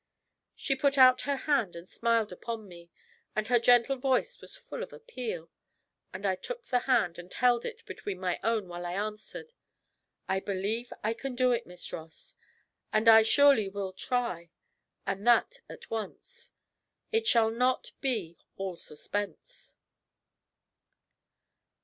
She put out her hand and smiled upon me, but her gentle voice was full of appeal; and I took the hand and held it between my own while I answered: 'I believe I can do it, Miss Ross; and I surely will try, and that at once. It shall not be all suspense.'